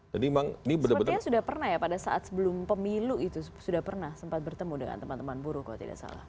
sepertinya sudah pernah ya pada saat sebelum pemilu itu sudah pernah sempat bertemu dengan teman teman buruh kalau tidak salah